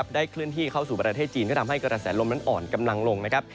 เคลื่อนที่เข้าสู่ประเทศจีนก็ทำให้กระแสลมนั้นอ่อนกำลังลงนะครับ